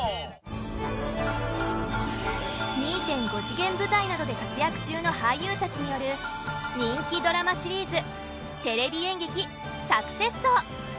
２．５次元舞台などで活躍中の俳優たちによる人気ドラマシリーズ「テレビ演劇サクセス荘」。